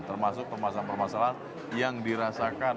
termasuk permasalahan permasalahan yang dirasakan